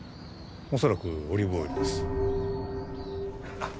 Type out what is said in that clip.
恐らくオリーブオイルですあっ